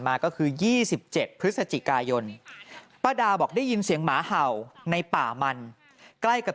หลังจากพบศพผู้หญิงปริศนาตายตรงนี้ครับ